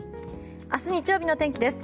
明日、日曜日の天気です。